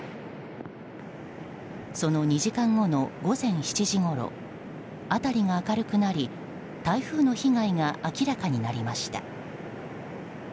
その２時間後の午前７時ごろ辺りが明るくなり台風の被害が明らかになりました。